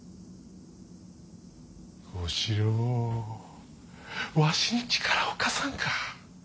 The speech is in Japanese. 小四郎わしに力を貸さんか。